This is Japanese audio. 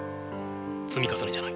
積み重ねじゃない。